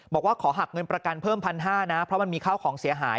บอกว่าขอหักเงินประกันเพิ่ม๑๕๐๐นะเพราะมันมีข้าวของเสียหาย